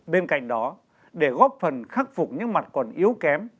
bên cạnh đó để góp phần khắc phục những mặt còn yếu kém